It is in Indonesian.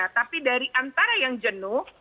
tapi dari antara yang jenuh